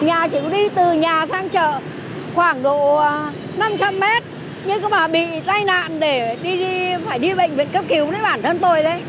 nhà chỉ có đi từ nhà sang chợ khoảng độ năm trăm linh m nhưng có bà bị tai nạn để phải đi bệnh viện cấp cứu với bản thân tôi đấy